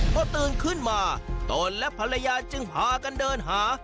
พอตื่นขึ้นมาตนและภรรยาจึงพากันเดินหา